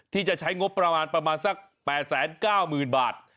ที่จะใช้งบประมาณประมาณสัก๘๙๐๐๐บาท